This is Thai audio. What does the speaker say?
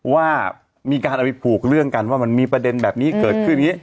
ว่ามีการเอาไปผูกเรื่องกันว่ามันมีประเด็นแบบนี้เกิดขึ้นอย่างนี้